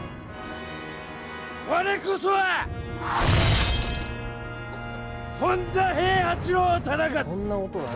我こそは本多平八郎忠勝！